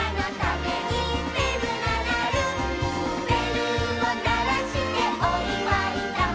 「べるをならしておいわいだ」